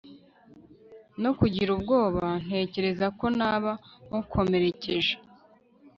no kugira ubwoba ntekerezako naba mukomerekeje